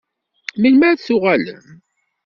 Melmi ad d-tuɣalem?